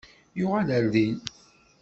Yuɣal ar din.